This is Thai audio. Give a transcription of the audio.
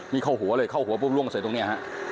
มิดเข้าหัวเลยเข้าหัวปุ๊บล่วงเสร็จตรงนี้